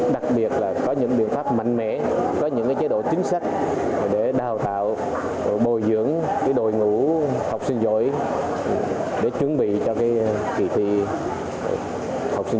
đặc biệt là có những biện pháp mạnh mẽ có những chế độ chính sách để đào tạo bồi dưỡng đội ngũ học sinh giỏi để chuẩn bị cho kỳ thi học sinh giỏi của quốc gia